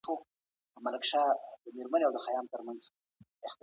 د نصیر خان بلوڅ اړیکي د احمد شاه بابا سره څنګه وي؟